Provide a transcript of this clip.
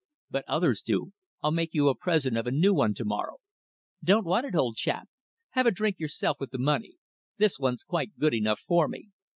"But others do. I'll make you a present of a new one to morrow." "Don't want it, old chap. Have a drink yourself with the money. This one's quite good enough for me.